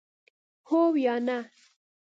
هو 👍 یا 👎